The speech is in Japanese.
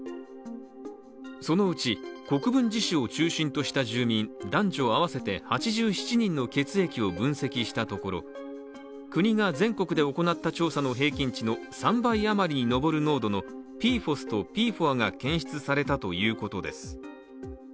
そのうち国分寺市を中心とした住民男女合わせて８７人の血液を分析したところ、国が全国で行った調査の平均値の３倍余りに上る濃度のＰＦＯＳとＰＦＯＡが検出されたということです。